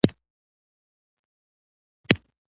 کلیزه ورځې او میاشتې ښيي